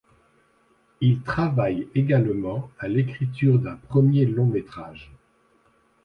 Il travaille également à l'écriture d'un premier long métrage.